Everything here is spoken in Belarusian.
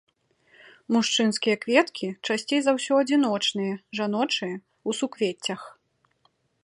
Мужчынскія кветкі часцей за ўсё адзіночныя, жаночыя ў суквеццях.